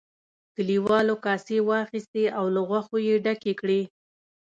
کليوالو کاسې واخیستې او له غوښو یې ډکې کړې.